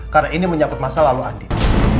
karena ini menyangkut masa lalu andien